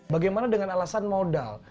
bagaimana dengan alasan modal